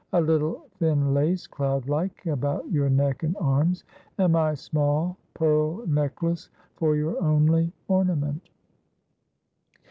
A little thin lace, cloudlike, about your neck and arms, and my small pearl necklace for your only ornament.'